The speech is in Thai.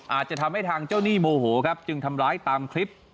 อาจจะทำให้ทางเจ้าหนี้โมโหครับจึงทำร้ายตามคลิป